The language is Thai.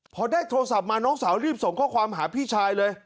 พอได้โทรศัพท์มาน้องสาวรีบส่งข้อความหาพี่ชายเลย